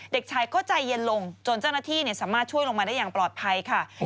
เด็กชายก็ใจเย็นลงจนเจ้าหน้าที่สามารถช่วยลงมาได้อย่างปลอดภัยค่ะ